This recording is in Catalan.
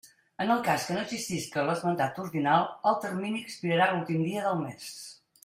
En el cas que no existisca l'esmentat ordinal, el termini expirarà l'últim dia del mes.